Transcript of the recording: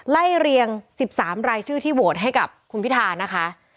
ไล่เรียง๑๓รายชื่อที่โหวตให้กับคุณพิธานะคะ